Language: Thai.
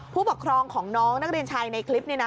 ผู้ปกครองของน้องนักเรียนชายในคลิปนี้นะ